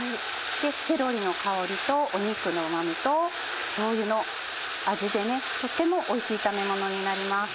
セロリの香りと肉のうま味としょうゆの味でとてもおいしい炒めものになります。